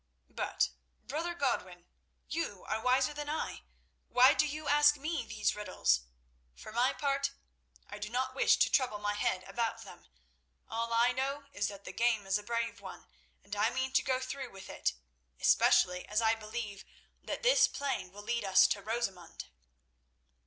But, Brother Godwin, you are wiser than I. Why do you ask me these riddles? For my part, I do not wish to trouble my head about them. All I know is that the game is a brave one, and I mean to go through with it, especially as I believe that this playing will lead us to Rosamund."